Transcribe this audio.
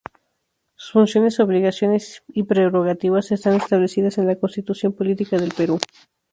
Sus funciones, obligaciones y prerrogativas están establecidas en la Constitución Política del Perú.